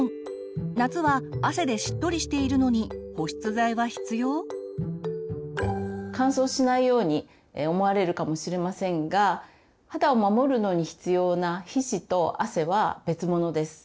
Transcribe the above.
夏は乾燥しないように思われるかもしれませんが肌を守るのに必要な皮脂と汗は別物です。